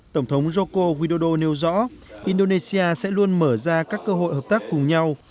tổng thống joko widodo nêu rõ indonesia sẽ luôn mở ra các cơ hội hợp tác cùng nhau